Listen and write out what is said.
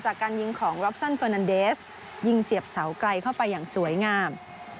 จากการยิงของรอปซันเฟอร์นันเดสยิงเสียบเสาไกลเข้าไปอย่างสวยงาม